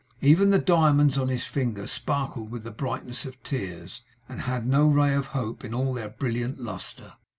Even the diamonds on his finger sparkled with the brightness of tears, and had no ray of hope in all their brilliant lustre.